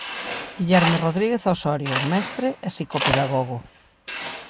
Guillerme Rodríguez Osorio, mestre e psicopedagogo.